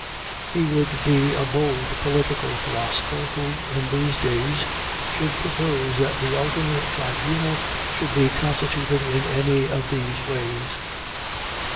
He would be a bold political philosopher who, in these days, should propose that the ultimate tribunal should be constituted in any of these ways.